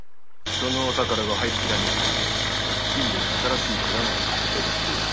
そのお宝が入りきらねえってんで近所に新しい蔵まで建ててるっていう話です。